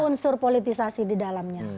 unsur politisasi di dalamnya